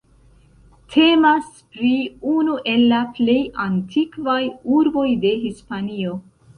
Temas pri unu el la plej antikvaj urboj de Hispanio.